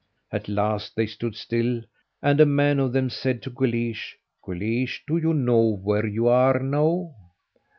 At last they stood still, and a man of them said to Guleesh: "Guleesh, do you know where you are now?"